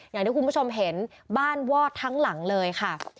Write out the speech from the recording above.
อย่างที่คุณผู้ชมเห็นบ้านวอดทั้งหลังเลยค่ะ